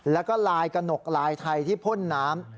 แล้วก็ลายกระหนกลายไทยที่พ่นน้ำ